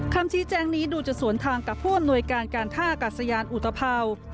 คำชี้แจงนี้ดูจะสวนทางกับผู้อำนวยการการท่ากัศยานอุตภาว